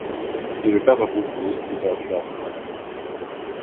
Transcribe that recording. Il est le père de Rose Rose, et sera tué par elle.